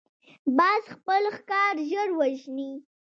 باز خپل ښکار ژر وژني